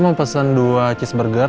mau makan dari siang gak